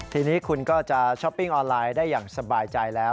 ทีนี้คุณก็จะช้อปปิ้งออนไลน์ได้อย่างสบายใจแล้ว